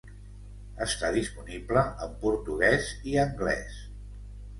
Està disponible en portuguès i anglès.